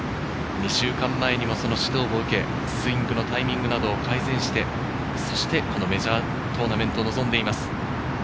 ２週間前にもその指導を受け、スイングのタイミングなどを改善して、そしてこのメジャートーナメントに臨んでいます。